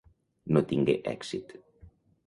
No tingué èxit.